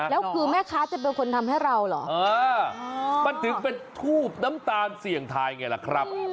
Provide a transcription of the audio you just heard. แล้วคือแม่ค้าจะเป็นคนทำให้เราเหรอมันถึงเป็นทูบน้ำตาลเสี่ยงทายไงล่ะครับ